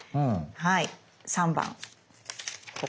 はい。